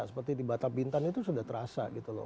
seperti di batam bintan itu sudah terasa gitu loh